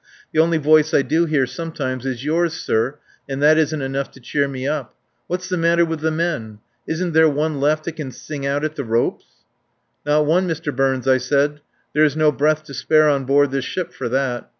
"The only voice I do hear sometimes is yours, sir, and that isn't enough to cheer me up. What's the matter with the men? Isn't there one left that can sing out at the ropes?" "Not one, Mr. Burns," I said. "There is no breath to spare on board this ship for that.